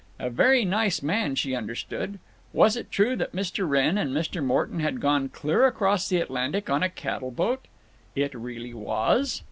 A very nice man, she understood. Was it true that Mr. Wrenn and Mr. Morton had gone clear across the Atlantic on a cattle boat? It really was?